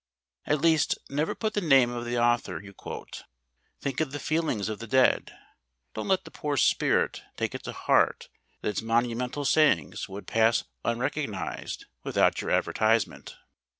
At least, never put the name of the author you quote. Think of the feelings of the dead. Don't let the poor spirit take it to heart that its monumental sayings would pass unrecognised without your advertisement.